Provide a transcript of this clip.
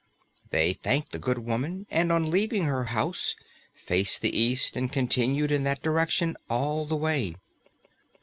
They thanked the good woman, and on leaving her house faced the east and continued in that direction all the way.